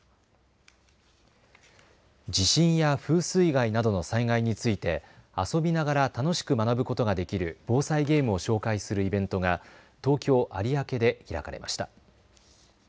地震や風水害などの災害について遊びながら楽しく学ぶことができる防災ゲームを紹介するイベントが東京有明で開かれました。